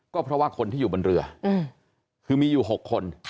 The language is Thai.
ก็เพราะว่าคนที่อยู่บนเรือคือมีอยู่๖คน